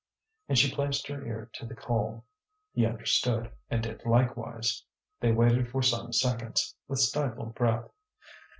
And she placed her ear to the coal. He understood, and did likewise. They waited for some seconds, with stifled breath.